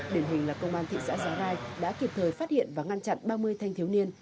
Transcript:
điển hình là công an thị xã giá rai đã kịp thời phát hiện và ngăn chặn ba mươi thanh thiếu niên